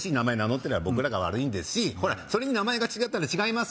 てりゃ僕らが悪いんですしほらそれに名前が違ったら違います